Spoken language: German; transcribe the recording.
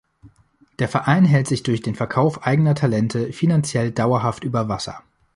Der Verein hält sich durch den Verkauf eigener Talente finanziell dauerhaft über Wasser.